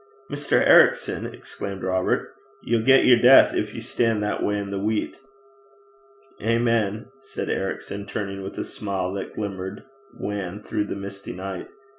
'Mr. Ericson!' exclaimed Robert. 'Ye'll get yer deith gin ye stan' that gait i' the weet.' 'Amen,' said Ericson, turning with a smile that glimmered wan through the misty night.